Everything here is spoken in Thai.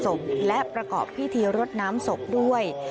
ศพและประกอบพิธีรดน้ำศพด้วย